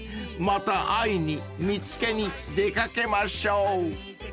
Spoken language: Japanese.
［また会いに見つけに出掛けましょう］